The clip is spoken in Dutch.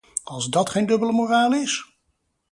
Als dat geen dubbele moraal is!